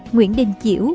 nguyễn đình chiểu